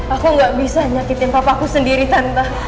aku gak bisa nyakitin papa aku sendiri tante